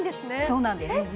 そうなんですえっ